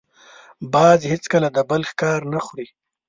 باز هېڅکله د بل ښکار نه خوري